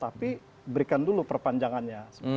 tapi berikan dulu perpanjangannya